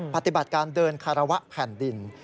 ปฏิบัติการเดินคารวะแผ่นดิน